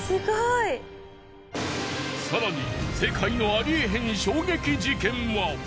更に世界のありえへん衝撃事件は。